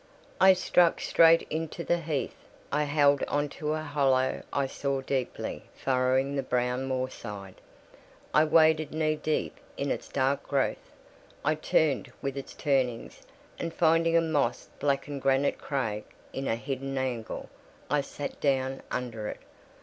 I struck straight into the heath; I held on to a hollow I saw deeply furrowing the brown moorside; I waded knee deep in its dark growth; I turned with its turnings, and finding a moss blackened granite crag in a hidden angle, I sat down under it.